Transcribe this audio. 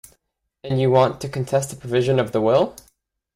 And you want to contest a provision of the will?